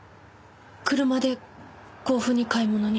車で甲府に買い物に。